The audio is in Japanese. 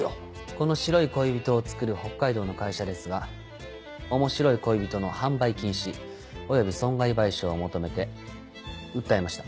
この「白い恋人」を作る北海道の会社ですが「面白い恋人」の販売禁止及び損害賠償を求めて訴えました。